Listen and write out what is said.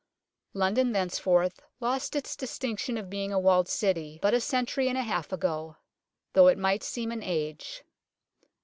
London thenceforward lost its distinction of being a walled City, but a century and a half ago, though it might seem an age.